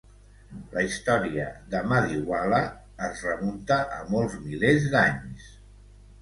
La història de Madiwala es remunta a molts milers d'anys.